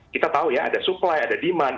kita tahu ya ada supply ada demand